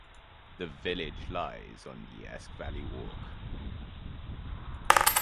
The village lies on the Esk Valley Walk.